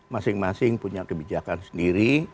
masing masing punya kebijakan sendiri